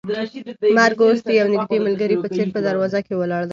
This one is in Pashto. مرګ اوس د یو نږدې ملګري په څېر په دروازه کې ولاړ دی.